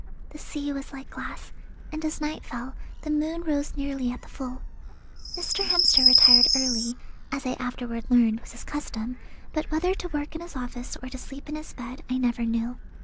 The sea was like glass, and as night fell the moon rose nearly at the full. Mr. Hemster retired early, as I afterward learned was his custom, but whether to work in his office or to sleep in his bed I never knew.